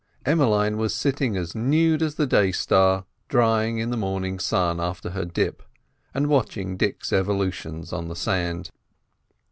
Emmeline was sitting as nude as the day star, drying in the morning sun after her dip, and watching Dick's evolutions on the sand.